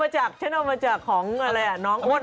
ฉันเอามาจากของน้องอ้วน